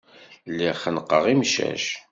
Lliɣ xennqeɣ imcac.